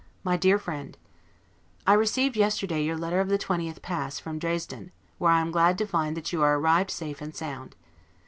MY DEAR FRIEND: I received yesterday your letter of the 20th past, from Dresden, where I am glad to find that you are arrived safe and sound.